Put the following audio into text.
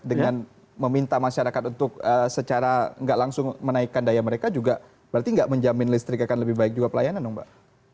dengan meminta masyarakat untuk secara nggak langsung menaikkan daya mereka juga berarti nggak menjamin listrik akan lebih baik juga pelayanan dong mbak